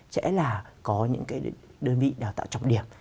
sẽ là có những cái đơn vị đào tạo trọng điểm